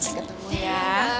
sampai ketemu ya